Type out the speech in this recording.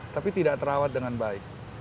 tapi tidak terawat dengan baik